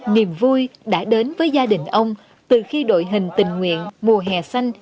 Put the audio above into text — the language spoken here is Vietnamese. niềm vui đã đến với gia đình ông từ khi đội hình tình nguyện mùa hè xanh